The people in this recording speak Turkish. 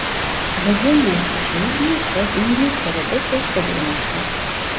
Begonya çiçeği ilk kez İngiltere'de keşfedilmiştir.